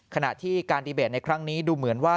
ขณะที่การดีเบตในครั้งนี้ดูเหมือนว่า